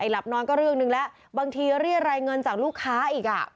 หลับนอนก็เรื่องนึงแล้วบางทีเรียกรายเงินจากลูกค้าอีกอ่ะ